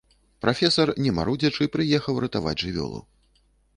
Прафесар, не марудзячы, прыехаў ратаваць жывёлу.